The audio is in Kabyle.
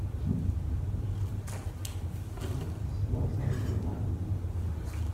Tella teslaẓay iḍan.